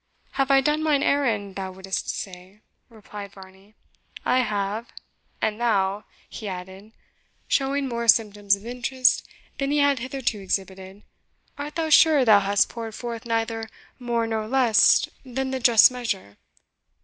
"Have I done mine errand, thou wouldst say?" replied Varney. "I have! And thou," he added, showing more symptoms of interest than he had hitherto exhibited, "art thou sure thou hast poured forth neither more nor less than the just measure?"